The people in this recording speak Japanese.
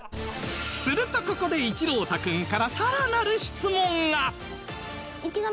するとここで一朗太君からさらなる質問が！